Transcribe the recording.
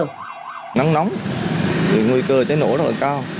nắng nóng nguy cơ cháy nổ rất là cao